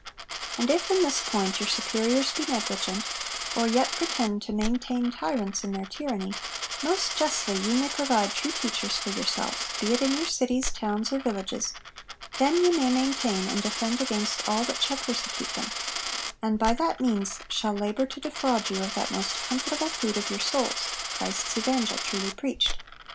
'And if in this point your superiors be negligent, or yet pretend to maintain tyrants in their tyranny, most justly ye may provide true teachers for yourselves, be it in your cities, towns, or villages: them ye may maintain and defend against all that shall persecute them, and by that means shall labour to defraud you of that most comfortable food of your souls, Christ's evangel truly preached.